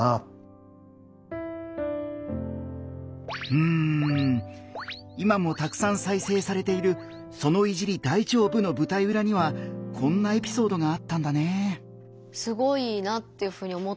うん今もたくさん再生されている「その“いじり”、大丈夫？」の舞台うらにはこんなエピソードがあったんだね。